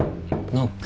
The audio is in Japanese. ノック。